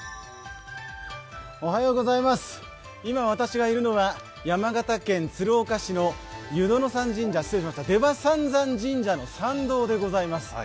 今、私がいるのは、山形県鶴岡市の出羽三山神社の参道でございます。